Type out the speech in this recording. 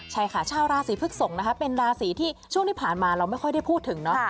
ใช่ค่ะชาวราศีพฤกษกนะคะเป็นราศีที่ช่วงที่ผ่านมาเราไม่ค่อยได้พูดถึงเนาะ